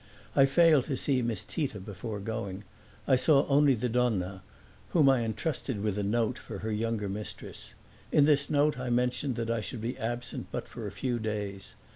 I failed to see Miss Tita before going; I only saw the donna, whom I entrusted with a note for her younger mistress. In this note I mentioned that I should be absent but for a few days.